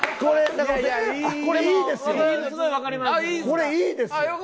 これいいですよ。